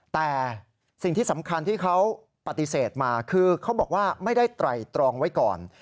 แต่สิ่งที่สำคัญที่เขาปฏิเสธมาคือเขาบอกว่าไม่ได้ไตรตรองไว้ก่อน